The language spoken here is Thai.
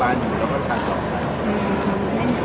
แล้วก็จะกรรมรอดทั้งหมดแล้วก็จะกรรมรอดทั้งหมด